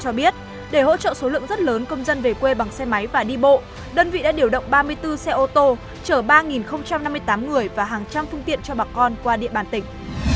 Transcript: cho biết để hỗ trợ số lượng rất lớn công dân về quê bằng xe máy và đi bộ đơn vị đã điều động ba mươi bốn xe ô tô chở ba năm mươi tám người và hàng trăm phương tiện cho bà con qua địa bàn tỉnh